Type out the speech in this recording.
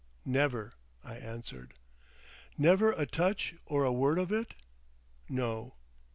"Never," I answered. "Never a touch or a word of it?" "No."